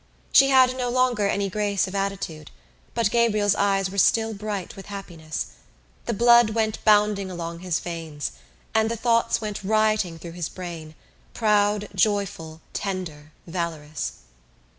She had no longer any grace of attitude but Gabriel's eyes were still bright with happiness. The blood went bounding along his veins; and the thoughts went rioting through his brain, proud, joyful, tender, valorous.